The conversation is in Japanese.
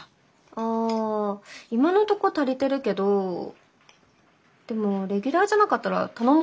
あ今のとこ足りてるけどでもレギュラーじゃなかったら頼もうかな？